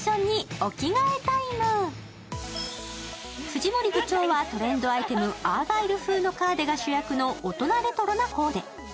藤森部長はトレンドアイテム、アーガイル風のカーデが主役の大人レトロなコーデ。